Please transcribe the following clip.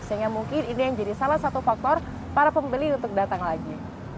sehingga mungkin ini yang jadi salah satu faktor para pembeli untuk datang lagi